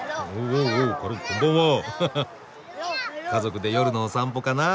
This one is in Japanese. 家族で夜のお散歩かな。